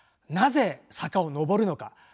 なぜ坂を上るのか？